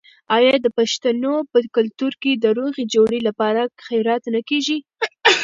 آیا د پښتنو په کلتور کې د روغې جوړې لپاره خیرات نه کیږي؟